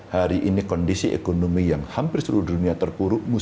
hari ini kondisi ekonomi yang hampir seluruh dunia terpuruk mesti kita apakan